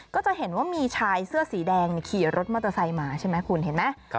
ก็จะเห็นว่ามีชายเสื้อสีแดงขี่รถมอเตอร์ไซค์มาใช่ไหมคุณเห็นไหม